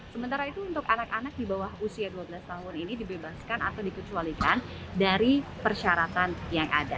sementara itu untuk anak anak di bawah usia dua belas tahun ini dibebaskan atau dikecualikan dari persyaratan yang ada